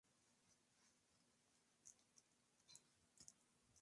Este río, de sur a norte, llega hasta Las Cañadas, para volverse subterráneo.